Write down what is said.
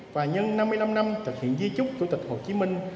và nhân năm mươi năm năm thực hiện di trúc chủ tịch hồ chí minh